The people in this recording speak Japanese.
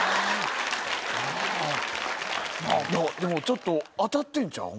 ちょっと当たってるんちゃう？